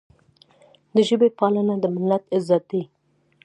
د ژبې پالنه د ملت عزت دی.